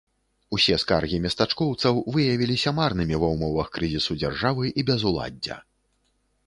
Усе скаргі местачкоўцаў выявіліся марнымі ва ўмовах крызісу дзяржавы і безуладдзя.